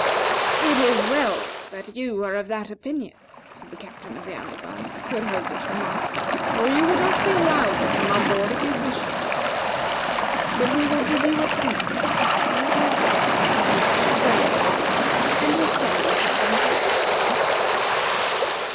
"It is well that you are of that opinion," said the Captain of the Amazons, who had heard this remark; "for you would not be allowed to come on board if you wished to. But we will give you a tent to protect you and the horse in case it should rain, and will send you something to eat."